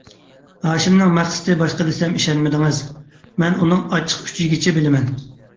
ھاشىمنىڭ مەقسىتى باشقا دېسەم ئىشەنمىدىڭىز، مەن ئۇنىڭ ئاچچىق ئۈچىيىگىچە بىلىمەن.